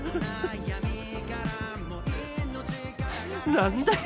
何だよ